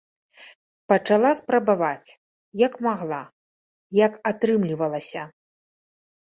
Пачала спрабаваць, як магла, як атрымлівалася.